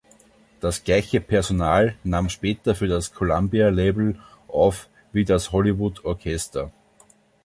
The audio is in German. Das gleiche Personal nahm später für das Columbia-Label auf wie das Hollywood Orchestra.